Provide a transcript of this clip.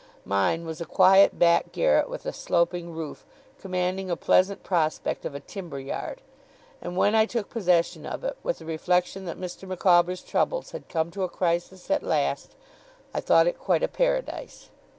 Mine was a quiet back garret with a sloping roof, commanding a pleasant prospect of a timberyard; and when I took possession of it, with the reflection that Mr. Micawber's troubles had come to a crisis at last, I thought it quite a paradise.